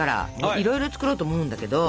いろいろ作ろうと思うんだけど。